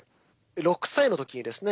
６歳の時にですね